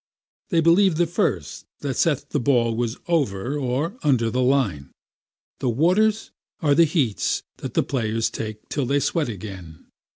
They believe the first that saith the ball was over or under the line. The waters are the heats that the players take till they sweat again.